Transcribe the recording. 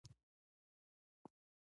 اوبه د کرنې ژوند دی.